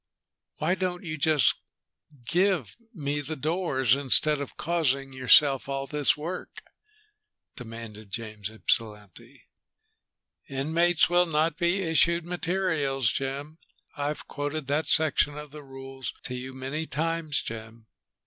"Why don't you just give me the doors, instead of causing yourself all this work?" demanded James Ypsilanti. "'Inmates will not be issued materials,' Jim. I've quoted that section of the rules to you many times, Jim."